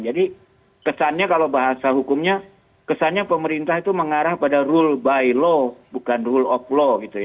kesannya kalau bahasa hukumnya kesannya pemerintah itu mengarah pada rule by law bukan rule of law gitu ya